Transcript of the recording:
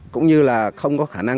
qua đây lck ảe leo